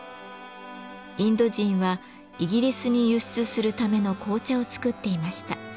インド人はイギリスに輸出するための紅茶を作っていました。